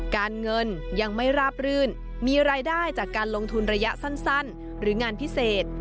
การเงินยังไม่ราบรื่นมีรายได้จากการลงทุนระยะสั้นหรืองานพิเศษ